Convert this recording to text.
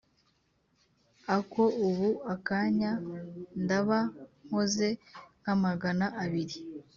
Ako ubu ukanya ndaba nkoze nkamagana abiri